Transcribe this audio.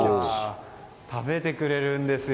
食べてくれるんですよ。